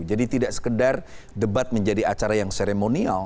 jadi tidak sekedar debat menjadi acara yang seremonial